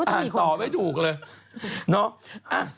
ต่อไม่ถูกเลยเนาะ